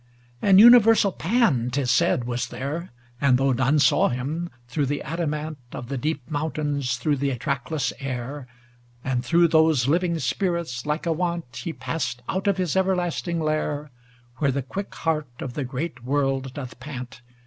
IX And universal Pan, 'tis said, was there; And ŌĆö though none saw him ŌĆö through the adamant Of the deep mountains, through the track less air And through those living spirits, like a want, He passed out of his everlasting lair Where the quick heart of the great world doth pant.